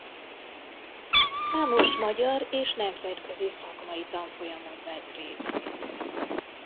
Számos magyar és nemzetközi szakmai tanfolyamon vett részt.